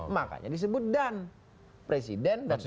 makanya disebut dan presiden dan sebagainya